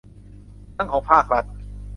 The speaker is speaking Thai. ทั้งของภาครัฐ